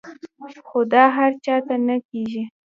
خو دا هر چاته نۀ کيږي -